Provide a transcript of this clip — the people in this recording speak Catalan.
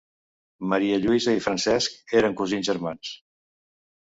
Maria Lluïsa i Francesc eren cosins germans.